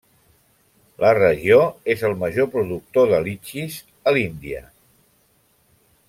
La regió és el major productor de litxis a l'Índia.